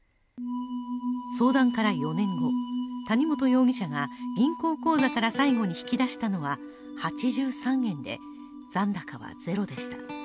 相談から４年後、谷本容疑者が銀行口座から最後に引き出したのは８３円で残高はゼロでした。